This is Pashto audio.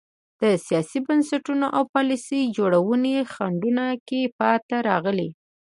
د سیاسي بنسټونو او پالیسۍ جوړونې خنډونو کې پاتې راغلي.